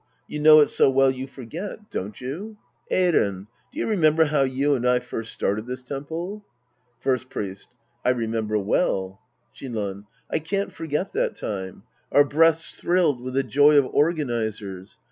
You know it so well you forget. Don't you ? Eiren, do you remem ber how you and I first started this temple ? First Priest. I remember well. Shinran. I can't forget that time. Our breasts thrilled with the joy of organizers.